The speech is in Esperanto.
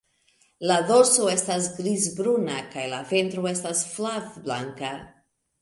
La dorso estas griz-bruna, kaj la ventro estas flav-blanka.